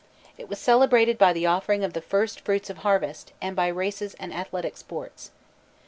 It was celebrated by the offering of the first fruits of harvest, and by races and athletic sports.